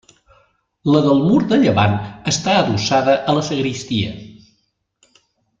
La del mur de llevant està adossada a la sagristia.